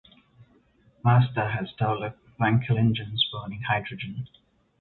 Mazda has developed Wankel engines burning hydrogen.